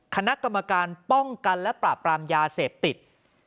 คณะกรรมการป้องกันและปราบปรามยาเสพติด